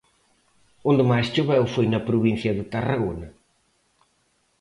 Onde máis choveu foi na provincia de Tarragona.